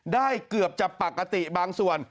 เกือบจะปกติบางส่วน